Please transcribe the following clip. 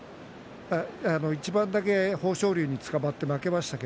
一番だけ豊昇龍につかまって負けました。